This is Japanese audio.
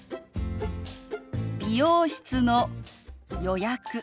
美容室の予約